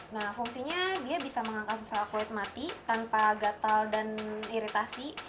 nah fungsinya dia bisa mengangkat sel kulit mati tanpa gatal dan iritasi